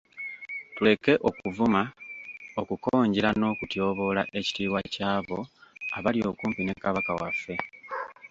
Tuleke okuvuma, okukonjera n'okutyoboola ekitiibwa ky'abo abali okumpi ne Kabaka waffe.